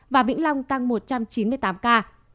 và vĩnh long tăng một trăm chín mươi tám ca